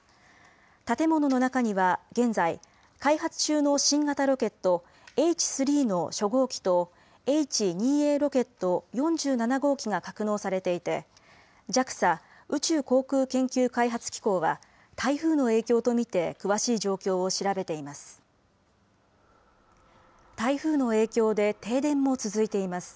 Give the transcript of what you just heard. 建物の中には現在、開発中の新型ロケットＨ３の初号機とＨ２Ａロケット４７号機が格納されていてＪＡＸＡ宇宙航空研究開発機構は台風の影響とみて詳しい状況を調べています。